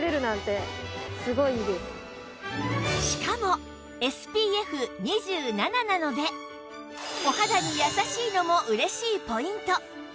しかも ＳＰＦ２７ なのでお肌に優しいのも嬉しいポイント